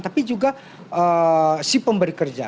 tapi juga si pemberi kerja